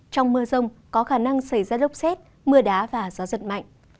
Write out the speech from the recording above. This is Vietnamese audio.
trong mưa rông có khả năng xảy ra lốc xét mưa đá và gió giật mạnh